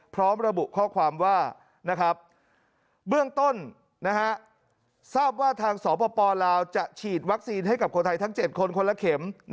พร้อมระบุข้อความว่าเบื้องต้นทราบว่าทางสปลาวจะฉีดวัคซีนให้กับคนไทยทั้ง๗คนคนละเข็ม